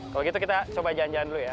kalau gitu kita coba jalan jalan dulu ya